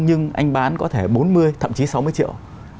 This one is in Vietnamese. nhưng anh bán có thể bốn mươi thậm chí sáu mươi triệu